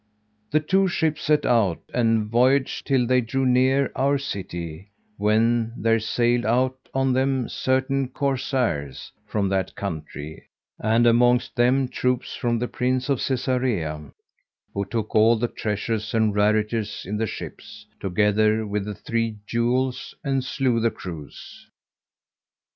The two ships set out and voyaged till they drew near our city, when there sallied out on them certain corsairs from that country and amongst them troops from the Prince of Cæsarea, who took all the treasures and rarities in the ships, together with the three jewels, and slew the crews.